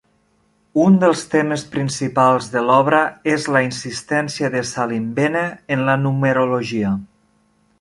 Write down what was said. Un dels temes principals de l'obra és la insistència de Salimbene en la numerologia.